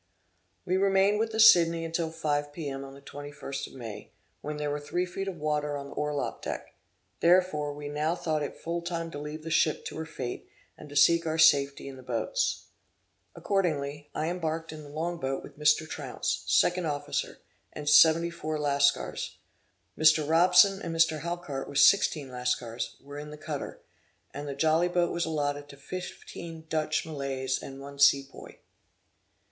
We remained with the Sidney until five P. M. on the twenty first of May, when there were three feet of water on the orlop deck; therefore we now thought it full time to leave the ship to her fate, and to seek our safety in the boats. Accordingly, I embarked in the long boat with Mr. Trounce, second officer, and 74 Lascars; Mr. Robson and Mr. Halkart with 16 Lascars, were in the cutter, and the jolly boat was allotted to 15 Dutch Malays, and one Seapoy.